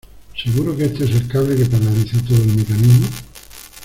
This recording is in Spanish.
¿ seguro que este es el cable que paraliza todo el mecanismo?